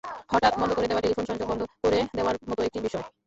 হঠাৎ বন্ধ করে দেওয়া টেলিফোন সংযোগ বন্ধ করে দেওয়ার মতো একটি বিষয়।